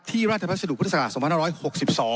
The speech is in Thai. ที่ราชภาษาสถุพุทธศักดิ์๒๖๖๒